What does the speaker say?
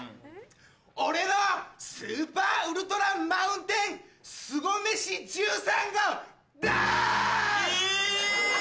俺のスーパーウルトラマウンテンすご飯１３号だ！え！